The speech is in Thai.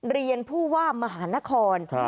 เรียนผู้ว่ามหานคร